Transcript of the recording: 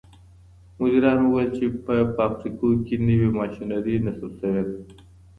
مديرانو وويل چي په فابريکو کي نوي ماشينري نصب سوي ده.